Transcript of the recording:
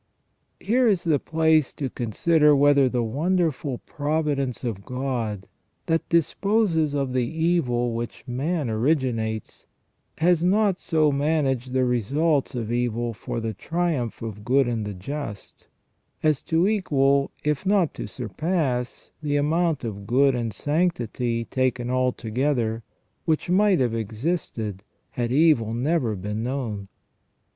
Here is the place to consider whether the wonderful providence of God, that disposes of the evil which man originates, has not so managed the results of evil for the triumph of good in the just, as to equal, if not to surpass, the amount of good and sanctity, taken altogether, which might have existed had evil never been known.